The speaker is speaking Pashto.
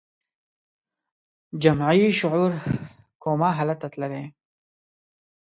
جمعي شعور کوما حالت ته تللی